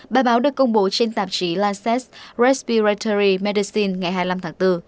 bài báo được công bố trên tạp chí lancet respiratory medicine ngày hai mươi năm tháng bốn